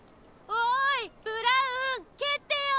おいブラウンけってよ！